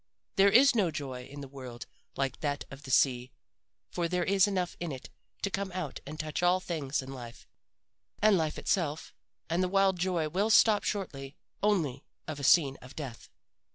There is no joy in the world like that of the sea for there is enough in it to come out and touch all things in life, and life itself. And the wild joy will stop short only of a scene of death.